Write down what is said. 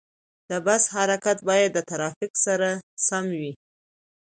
د بس حرکت باید د ترافیک سره سم وي.